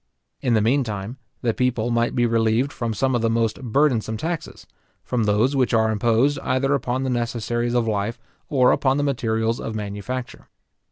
In the meantime, the people might be relieved from some of the most burdensome taxes; from those which are imposed either upon the necessaries of life, or upon the materials of manufacture.